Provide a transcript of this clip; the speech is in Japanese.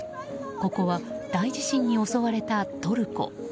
ここは、大地震に襲われたトルコ。